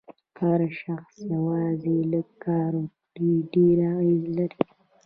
هر شخص یوازې لږ کار وکړي ډېر اغېز لري.